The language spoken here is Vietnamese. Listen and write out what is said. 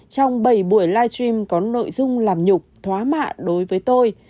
trong bảy buổi live stream có nội dung làm nhục thoá mạ đối với tôi